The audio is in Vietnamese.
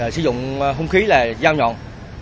sử dụng hông khí là dao nhọn